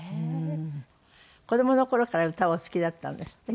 子どもの頃から歌お好きだったんですって？